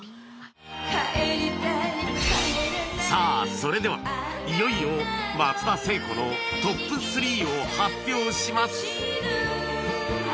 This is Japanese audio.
さあそれではいよいよ松田聖子のトップ３を発表します